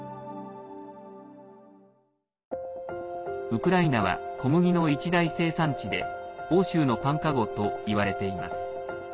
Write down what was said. ウクライナは小麦の一大生産地で欧州のパンかごといわれています。